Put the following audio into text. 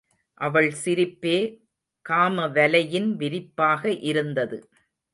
அவள் சிரிப்பே காமவலையின் விரிப்பாக இருந்தது.